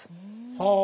はあ！